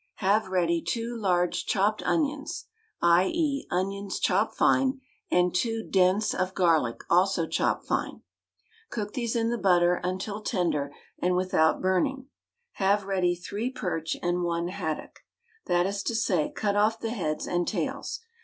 Have ready two large chopped onions — i. e. — onions chopped fine, and two "dents" of garlic also chopped line. Cook these in the butter until tender and without burn ing. Have ready three perch and one haddock. That is to say: cut off the heads and tails.